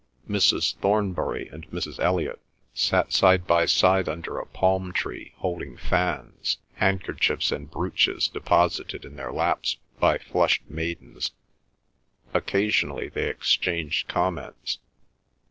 Mrs. Thornbury and Mrs. Elliot sat side by side under a palm tree, holding fans, handkerchiefs, and brooches deposited in their laps by flushed maidens. Occasionally they exchanged comments.